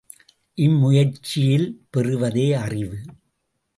இம்முயற்சியில் பெறுவதே அறிவு.